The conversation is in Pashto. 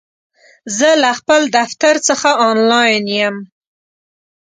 زه له خپل دفتر څخه آنلاین یم!